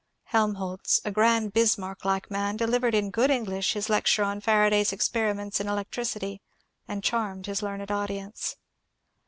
Helmholtz, a grand Bismarck like man, delivered in good English his lecture on Faraday's experiments in elec tricity, and charmed his learned audience.